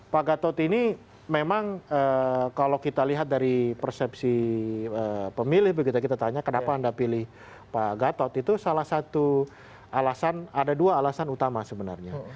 pak gatot ini memang kalau kita lihat dari persepsi pemilih begitu kita tanya kenapa anda pilih pak gatot itu salah satu alasan ada dua alasan utama sebenarnya